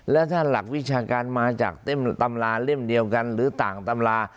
แล้วถ้าหลักวิชาการมาจากตำราเล่มเดียวกันหรือต่างตำรา